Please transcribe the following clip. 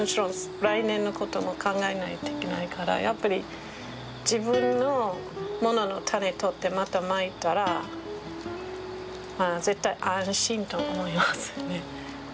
来年のことも考えないといけないからやっぱり自分のものの種取ってまたまいたら絶対安心と思いますね。